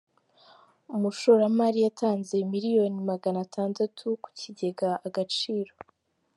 Umushora mari yatanze Miliyoni Magana atandatu mu kigega Agaciro